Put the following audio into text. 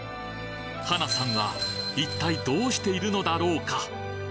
華さんは一体どうしているのだろうか？